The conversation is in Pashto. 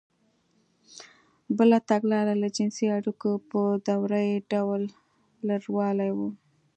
بله تګلاره له جنسـي اړیکو په دورهیي ډول لرېوالی و.